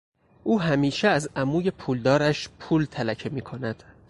او همیشه از عموی پولدارش پول تلکه می کند.